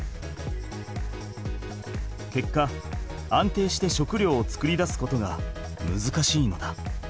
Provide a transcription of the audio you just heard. けっか安定して食料を作り出すことがむずかしいのだ。